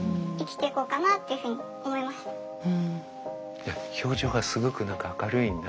いや表情がすごく何か明るいなと。